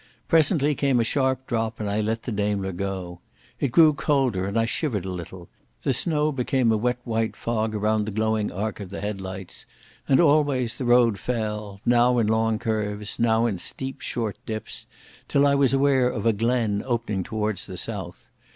Presently came a sharp drop and I let the Daimler go. It grew colder, and I shivered a little; the snow became a wet white fog around the glowing arc of the headlights; and always the road fell, now in long curves, now in steep short dips, till I was aware of a glen opening towards the south.